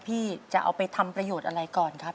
พี่จะเอาไปทำประโยชน์อะไรก่อนครับ